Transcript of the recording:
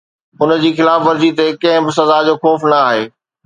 ان جي خلاف ورزي تي ڪنهن به سزا جو خوف نه آهي